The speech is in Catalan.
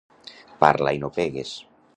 Parla i no pegues.